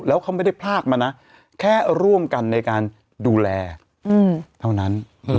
แล้วเขาไม่ได้พลากมานะแค่ร่วมกันในการดูแลเท่านั้น